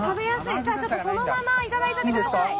ちょっとそのままいただいちゃってください。